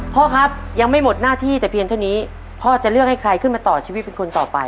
พ่อครับยังไม่หมดหน้าที่แต่เพียงเท่านี้พ่อจะเลือกให้ใครขึ้นมาต่อชีวิตเป็นคนต่อไป